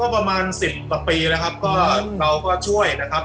ก็ประมาณ๑๐กว่าปีเราก็ช่วยนะครับ